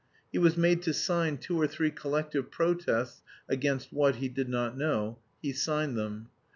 He was made to sign two or three collective protests (against what he did not know); he signed them.